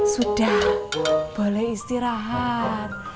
sudah boleh istirahat